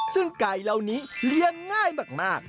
ซึ่งไก่เหล่านี้เลี้ยงง่ายมาก